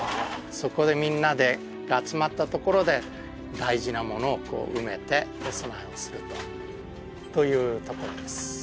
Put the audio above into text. そこでみんなで集まったところで大事なものをこう埋めてお供えをするとというところです